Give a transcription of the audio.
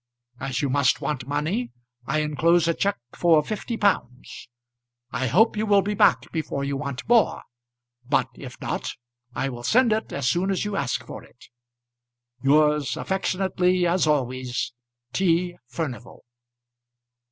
As you must want money I enclose a check for fifty pounds. I hope you will be back before you want more; but if not I will send it as soon as you ask for it. Yours affectionately as always, T. FURNIVAL.